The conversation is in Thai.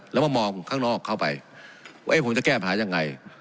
แล้วมามองข้างนอกเข้าไปว่าผมจะแก้ปัญหายังไง